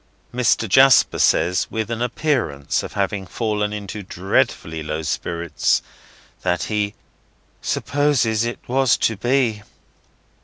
Mr. Jasper says, with an appearance of having fallen into dreadfully low spirits, that he "supposes it was to be."